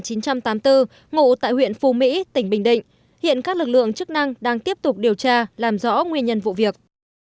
hiện các lực lượng chức năng đang tiếp tục điều tra làm rõ nguyên nhân vụ việc